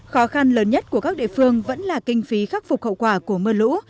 khó khăn lớn nhất của các địa phương vẫn là kinh phí khắc phục hậu quả của mưa lũ